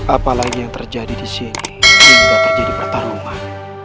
apalagi yang terjadi di sini ini sudah terjadi pertarungan